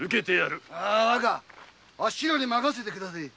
若あっしらに任せてくだせぇ。